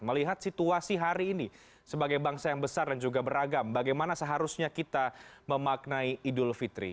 melihat situasi hari ini sebagai bangsa yang besar dan juga beragam bagaimana seharusnya kita memaknai idul fitri